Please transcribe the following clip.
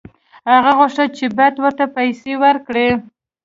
هغه غوښتل چې بت ورته پیسې ورکړي.